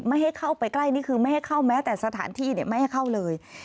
ไม่ให้เข้าไปใกล้นี่คือไม่ให้เข้าแม้แต่สถานที่ไม่ให้เข้าเลย